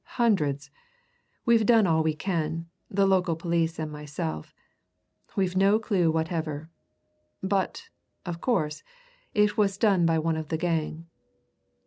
Hundreds! We've done all we can, the local police and myself we've no clue whatever. But, of course, it was done by one of the gang."